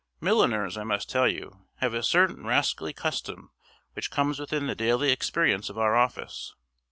Milliners, I must tell you, have a certain rascally custom which comes within the daily experience of our office.